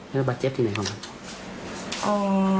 แล้วบาดเจ็บที่ไหนของเจ้า